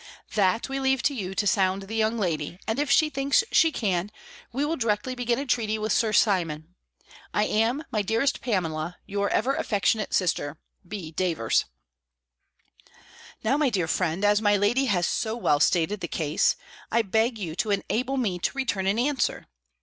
That we leave you to sound the young lady; and if she thinks she can, we will directly begin a treaty with Sir Simon. I am, my dearest Pamela, your ever affectionate sister, B. Davers." Now, my dear friend, as my lady has so well stated the case, I beg you to enable me to return an answer.